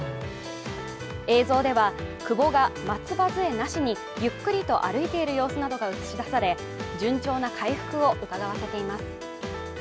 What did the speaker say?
映像では、久保が松葉づえなしにゆっくりと歩いている様子などが映し出され、順調な回復をうかがわせています。